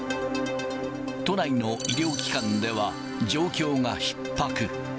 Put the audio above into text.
都内の医療機関では、状況がひっ迫。